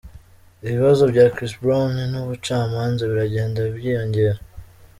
Ibibazo bya Chris Brown n’ubucamanza biragenda byiyongera.